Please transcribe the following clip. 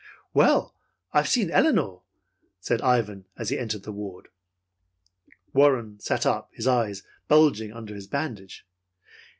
"Well, I've seen Elinor!" said Ivan, as soon as he entered the ward. Warren sat up, his eyes bulging under, his bandage.